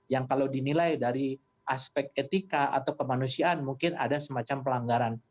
yang kalau dinilai dari aspek etika atau kemanusiaan mungkin ada semacam pelanggaran